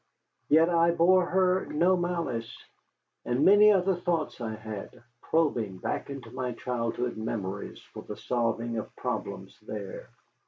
Yet I bore her no malice. And many other thoughts I had, probing back into childhood memories for the solving of problems there.